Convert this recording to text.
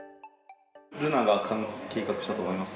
瑠奈が計画したと思います？